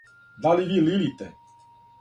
Да ли ви лилите?